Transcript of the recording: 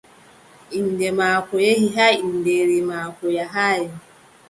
Innde maako yehi har inndeeri maako yahaay.